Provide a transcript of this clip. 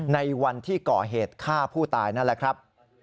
ในวันที่ก่อเหตุฆ่าผู้ตายนั่นแหละครับ